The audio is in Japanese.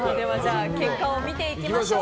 結果を見ていきましょう。